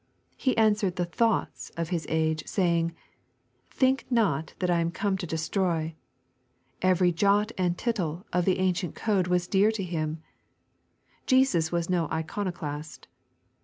He answered the thotigfoa of His age, saying: "Think not that I am come to destroy." Every " jot and tittle " of the ancient code was dear to Him. Jesus was no iconoclast.